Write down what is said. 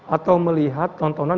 atau melihat tontonan